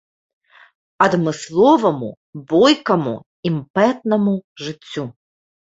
Адмысловаму, бойкаму, імпэтнаму жыццю.